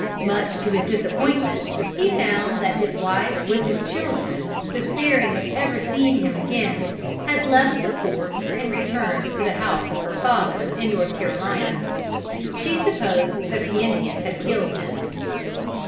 Much to his disappointment he found that his wife with his children, despairing of ever seeing him again, had left the fort and returned to the house of her father, in North Carolina. She supposed that the Indians had killed him.